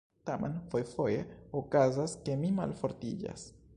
Tamen fojfoje okazas, ke mi malfortiĝas..